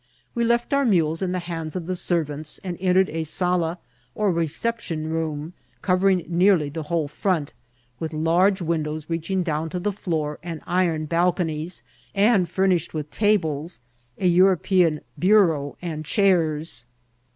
We left our mules in the hands of the servants, and entered a sala or reception room covering nearly the whole front, with large windows reaching down to the floor and iron balconies, and furnished with tables, a European bu MAKING FESB WITH A HOST. 6t reau, and chairs.